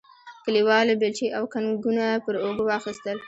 کلیوالو بیلچې او کنګونه پر اوږو واخیستل.